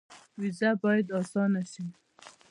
ویزه باید اسانه شي